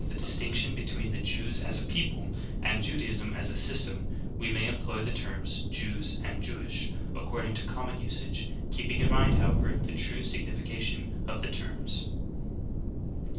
the distinction between the Jews as a people and Judaism as a system, we may employ the terms "J^^s" and "Jewish" according to common usage, keeping in mind, however, the true signification of the terms.